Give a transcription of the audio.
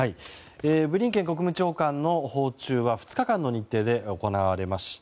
ブリンケン国務長官の訪中は２日間の日程で行われました。